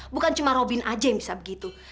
bukan cuma robin aja yang bisa begitu